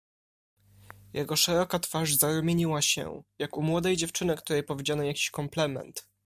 "Jego szeroka twarz zarumieniła się, jak u młodej dziewczyny, której powiedziano jakiś komplement."